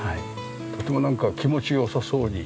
とてもなんか気持ちよさそうに。